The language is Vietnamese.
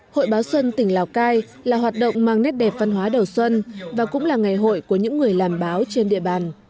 hội báo xuân tỉnh lào cai là hoạt động mang nét đẹp văn hóa đầu xuân và cũng là ngày hội của những người làm báo trên địa bàn